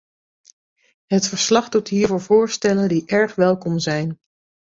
Het verslag doet hiervoor voorstellen die erg welkom zijn.